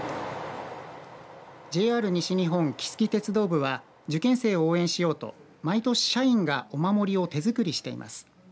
ＪＲ西日本、木次鉄道部は受験生を応援しようと毎年社員がお守りを手作りしています。